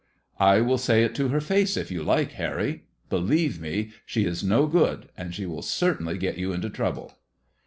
I will say it to her face if you like, Harry, Believe me, she is no good, and she will certainly get you into trouble."